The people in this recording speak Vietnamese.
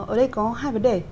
ở đây có hai vấn đề